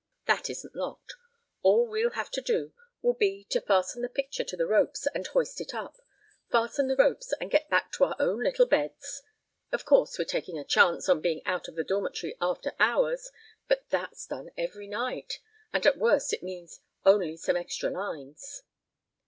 That isn't locked. All we'll have to do will be to fasten the picture to the ropes and hoist it up, fasten the ropes and get back to our own little beds. Of course, we're taking a chance in being out of the dormitory after hours, but that's done every night, and at worst it means only some extra lines."